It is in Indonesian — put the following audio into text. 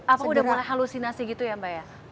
apa udah mulai halusinasi gitu ya mbak ya